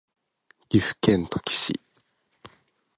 岐阜県土岐市